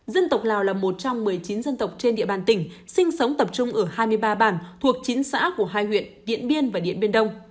dân tộc lào là một trong một mươi chín dân tộc trên địa bàn tỉnh sinh sống tập trung ở hai mươi ba bản thuộc chín xã của hai huyện điện biên và điện biên đông